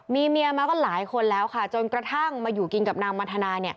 มีเมียมาก็หลายคนแล้วค่ะจนกระทั่งมาอยู่กินกับนางวันธนา